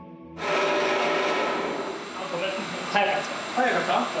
早かった？